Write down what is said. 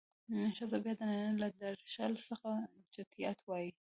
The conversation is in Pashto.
ښځه بيا د نارينه له درشل څخه چټيات وايي.